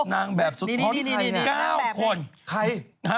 นางแบบสุดฮอตในใครเนี่ย